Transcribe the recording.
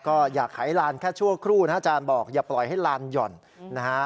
ก็อยากขายลานแค่ชั่วครู่นะอาจารย์บอกอย่าปล่อยให้ลานหย่อนนะฮะ